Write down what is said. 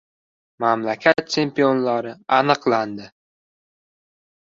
Mamlakat chempionlari aniqlandi